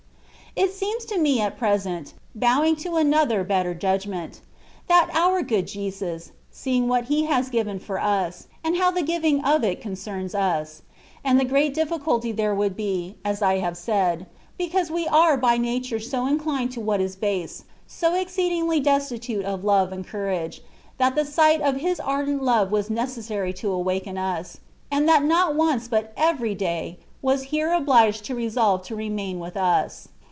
It seems to me at present (bowing to another better judgment) — that our good Jesus^ seeing what He had given for us^ and how the giving of it concerned us, and the great difficulty there would be, as I have said, because we are by nature so inclined to what is base, so exceedingly destitute of love and courage^ that the sight of His ardent love was necessary to awaken us, and that not once but every day, was here obliged to resolve to remain with us.